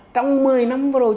trong một mươi năm vừa rồi